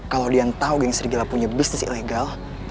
kalau dian tau geng serigala punya bisnis ilegal